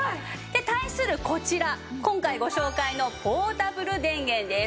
で対するこちら今回ご紹介のポータブル電源です。